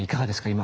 今。